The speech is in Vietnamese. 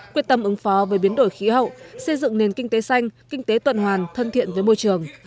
quyết tâm ứng phó với biến đổi khí hậu xây dựng nền kinh tế xanh kinh tế tuần hoàn thân thiện với môi trường